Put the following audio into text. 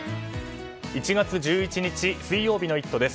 １月１１日水曜日の「イット！」です。